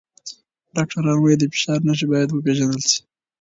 ډاکټران وايي د فشار نښې باید وپیژندل شي.